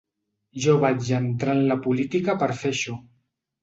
Jo vaig entrar en la política per fer això.